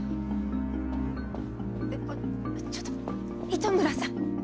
えっあっちょっと糸村さん。